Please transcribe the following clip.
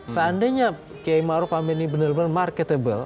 seandainya kiai ma'ruf amin ini benar benar marketable